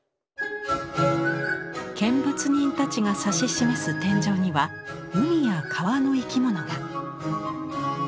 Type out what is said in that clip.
見物人たちが指し示す天井には海や川の生き物が。